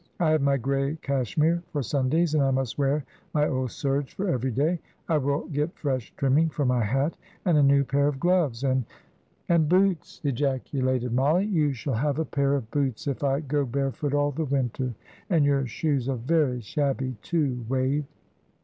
I have my grey cashmere for Sundays, and I must wear my old serge for everyday. I will get fresh trimming for my hat, and a new pair of gloves, and " "And boots," ejaculated Mollie. "You shall have a pair of boots if I go barefoot all the winter; and your shoes are very shabby too, Wave."